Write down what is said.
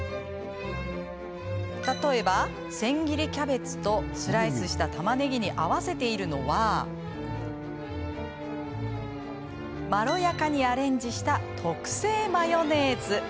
例えば、千切りキャベツとスライスした、たまねぎに合わせているのはまろやかにアレンジした特製マヨネーズ。